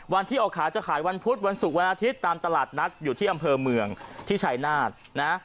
วันที่ออกขายจะขายวันพุธวันศุกร์วันอาทิตย์ตามตลาดนัดอยู่ที่อำเภอเมืองที่ชายนาฏนะ